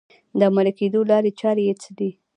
د عملي کېدو لارې چارې یې څه دي؟